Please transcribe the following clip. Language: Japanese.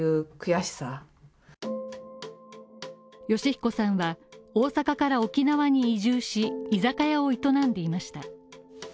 善彦さんは大阪から沖縄に移住し、居酒屋を営んでいました。